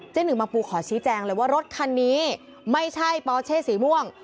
หนึ่งบางปูขอชี้แจงเลยว่ารถคันนี้ไม่ใช่ปอเช่สีม่วง